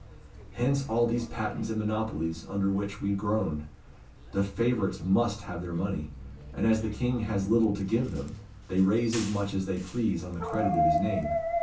Hence all these patents and monopolies under which we groan. The favourites must have money; and as the King has little to give them, they raise as much as they please on the credit of his name.